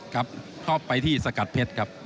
ครับชอบไปที่สกัดเพชรครับ